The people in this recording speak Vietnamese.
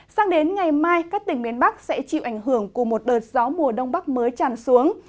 sang đến ngày mai các tỉnh miền bắc sẽ chịu ảnh hưởng của một đợt gió mùa đông bắc mới tràn xuống